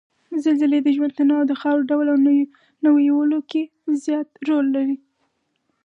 زلزلې د ژوند تنوع او د خاورو ډول او نويولو کې زیات رول لري